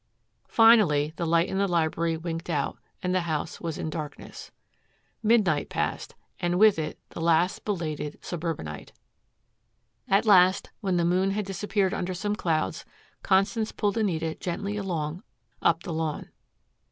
Finally the light in the library winked out and the house was in darkness. Midnight passed, and with it the last belated suburbanite. At last, when the moon had disappeared under some clouds, Constance pulled Anita gently along up the lawn.